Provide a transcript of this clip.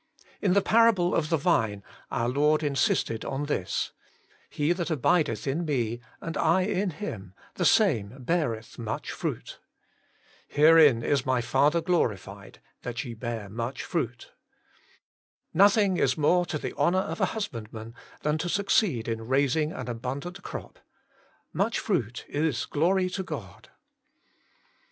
In the parable of the vine our Lord insisted on this :* He that abideth in Me, and I in him, the same beareth i]iuch fruit/ ' Herein is My Father glorified, that ye bear much fruit/ Nothing is more to the honour of a husbandman than to suc ceed in raising an abundant crop — much fruit is glory to God.